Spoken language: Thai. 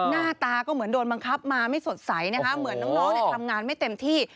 หน้าตาก็เหมือนโดนบังคับมาไม่สดใสนะคะเหมือนน้องทำงานไม่เต็มที่